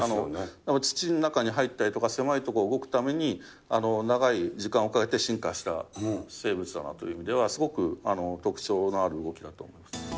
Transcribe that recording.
土の中に入ったりとか、狭い所を動くために、長い時間をかけて進化した生物だなという意味では、すごく特徴のある動きだと思います。